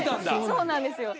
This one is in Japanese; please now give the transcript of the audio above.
そうなんですよ。